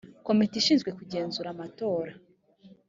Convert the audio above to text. komite ishinzwe kugenzura amatora